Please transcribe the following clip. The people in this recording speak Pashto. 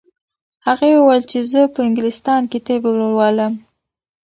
هغې وویل چې زه په انګلستان کې طب لولم.